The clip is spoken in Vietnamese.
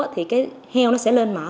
thì cái heo nó sẽ lên mở